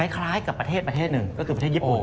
คล้ายกับประเทศประเทศหนึ่งก็คือประเทศญี่ปุ่น